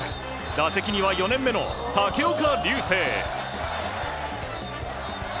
打席には４年目の武岡龍世。